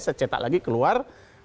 saya cetak lagi keluar